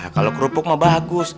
kalo kerupuk mah bagus